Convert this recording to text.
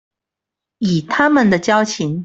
以他們的交情